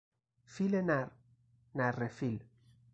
فیل نر، نره فیل